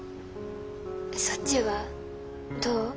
そっちはどう？